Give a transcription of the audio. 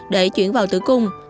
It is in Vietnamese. để chuyển vào tử cung